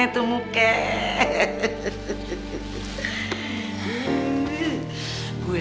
kita gaat ke dodi damai